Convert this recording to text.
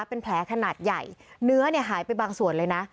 เป็นแผลขนาดใหญ่เนื้อเนี่ยหายไปบางส่วนเลยนะ